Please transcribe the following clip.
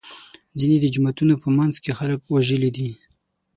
ځینې د جوماتونو په منځ کې خلک وژلي دي.